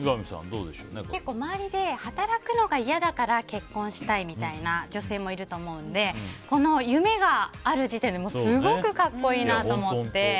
結構、周りで働くのが嫌だから結婚したいみたいな女性もいると思うので夢がある時点ですごく格好いいなと思って。